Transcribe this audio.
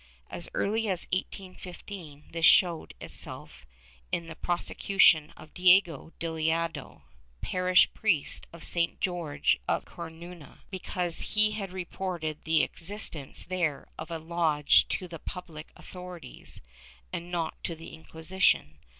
As early as 1815 this showed itself in the prose cution of Diego Dilicado, parish priest of San Jorje in Coruiia, because he had reported the existence there of a lodge to the public authorities and not to the Inquisition.